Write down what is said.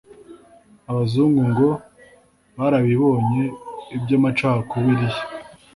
Abazungu ngo barabibonye iby’amacakubiri ye